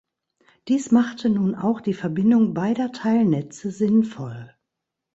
Dies machte nun auch die Verbindung beider Teilnetze sinnvoll.